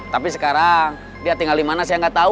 tapi sekarang dia tinggal dimana saya gak tau